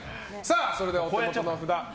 それではお手元の札を。